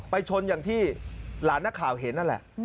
ชนอย่างที่หลานนักข่าวเห็นนั่นแหละ